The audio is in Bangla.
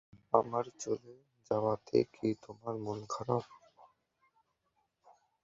আমার চলে যাওয়াতে কি তোমার মন খারাপ?